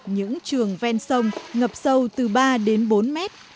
những trường ven sông ngập sâu từ ba đến bốn mét